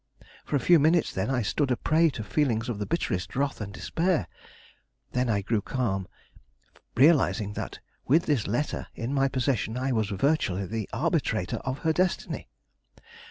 For a few minutes, then, I stood a prey to feelings of the bitterest wrath and despair; then I grew calm, realizing that with this letter in my possession I was virtually the arbitrator of her destiny.